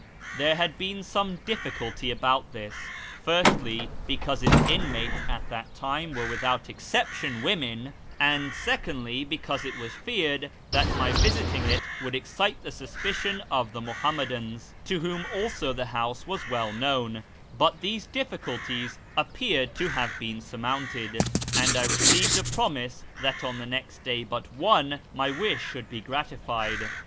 There had been some difficulty about this — firstly, because its inmates at that time were without exception women ; and secondly, because it was feared that my visiting it would excite the suspicion of the Muhammadans, to whom also the house was well known ; but these difficulties appeared to have been surmounted, and I received a promise that on the next day but one my wish should be gratified.